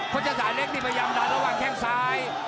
จศาสเล็กนี่พยายามดันระหว่างแข้งซ้าย